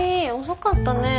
遅かったね。